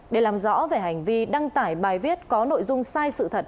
để làm rõ về hành vi đăng tải bài viết có nội dung sai sự thật